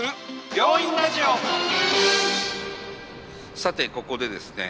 さてここでですね